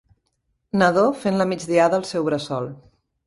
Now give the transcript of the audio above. Nadó fent la migdiada al seu bressol.